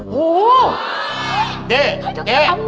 โหโฮ้๓๐๐๐๐